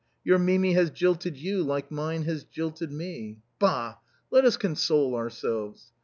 Your Mimi has jilted you like mine has jilted me. Bah! let us console ourselves.